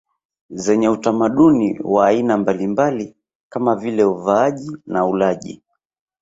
zenye utamaduni wa aina mbalimbali kama vile uvaaji na ulaji